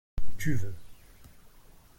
Tu veux.